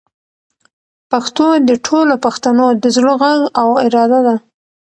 پښتو د ټولو پښتنو د زړه غږ او اراده ده.